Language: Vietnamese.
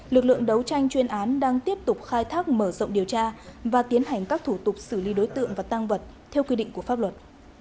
lực lượng đấu tranh chuyên án đang tiếp tục khai thác mở rộng điều tra và tiến hành các thủ tục xử lý đối tượng và tăng vật theo quy định của pháp luật